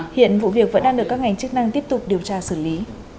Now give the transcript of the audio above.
hiện vụ việc vẫn đang được các ngành chức năng tiếp tục điều tra xử lý